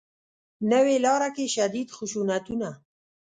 نوې لاره کې شدید خشونتونه